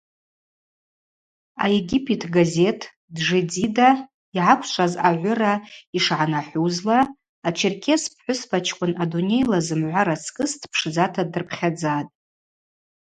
Аегипет газет Джедида йгӏаквшваз агӏвыра йшгӏанахӏвузла, ачеркес пхӏвыспачкӏвын адунейла зымгӏва рацкӏыс дпшдзата дырпхьадзатӏ.